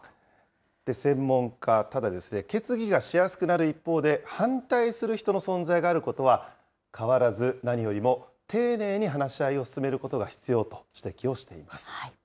専門家、ただですね、決議がしやすくなる一方で、反対する人の存在があることは変わらず、何よりも丁寧に話し合いを進めることが必要と指摘をしています。